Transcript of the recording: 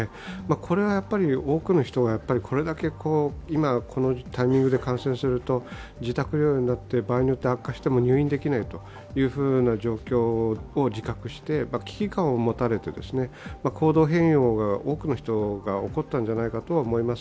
これは多くの人がこれだけ今、このタイミングで感染すると自宅療養になって場合によっては悪化しても入院できないという状況を自覚して、危機感を持たれて、行動変容が多くの人に起こったんじゃないかとは思います。